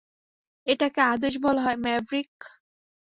এটাকে আদেশ বলা হয়, ম্যাভরিক।